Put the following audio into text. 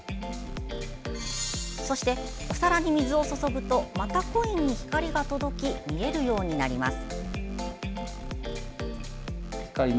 そして、お皿に水を注ぐとまたコインに光が届き見えるようになります。